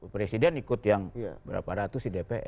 presiden ikut yang berapa ratus di dpr